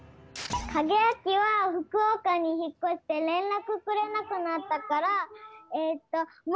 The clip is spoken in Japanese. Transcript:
カゲアキはふくおかにひっこしてれんらくくれなくなったからえっともうわすれたんだ！